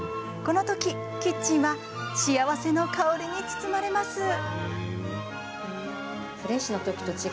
この時キッチンは幸せの香りに包まれます。